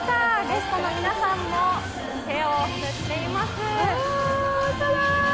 ゲストの皆さんも手を振っています。